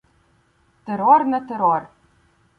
Терор на терор